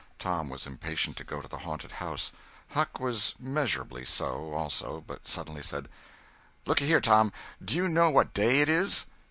Tom was impatient to go to the haunted house; Huck was measurably so, also—but suddenly said: "Lookyhere, Tom, do you know what day it is?"